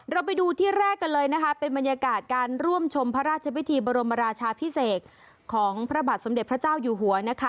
เราไปดูที่แรกกันเลยนะคะเป็นบรรยากาศการร่วมชมพระราชพิธีบรมราชาพิเศษของพระบาทสมเด็จพระเจ้าอยู่หัวนะคะ